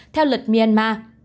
theo lịch myanmar